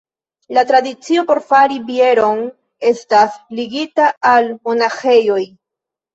La tradicio por fari bieron estas ligita al monaĥejoj.